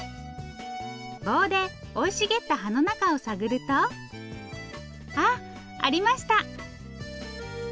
棒で生い茂った葉の中を探るとあ！ありました！